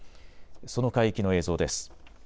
その海域の映像です。